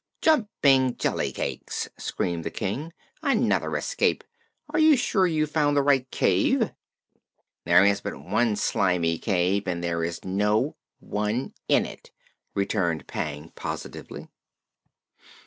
"Jumping jellycakes!" screamed the King. "Another escape? Are you sure you found the right cave?" "There is but one Slimy Cave, and there is no one in it," returned Pang positively.